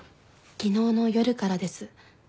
昨日の夜からです。